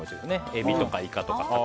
エビとかイカとか。